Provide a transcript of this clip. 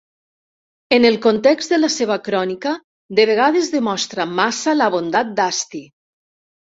En el context de la seva crònica, de vegades demostra massa la bondat d'Asti.